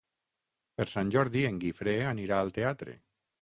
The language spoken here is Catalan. Per Sant Jordi en Guifré anirà al teatre.